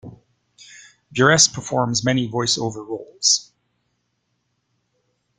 Burress performs many voice-over roles.